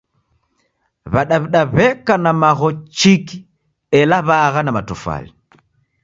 W'adaw'ida w'eka na magho chiki ela w'aagha na matofali